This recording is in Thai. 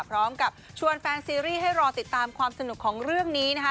พร้อมกับชวนแฟนซีรีส์ให้รอติดตามความสนุกของเรื่องนี้นะคะ